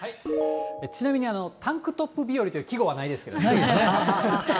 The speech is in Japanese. ちなみに、タンクトップ日和っていう季語はないですけどね。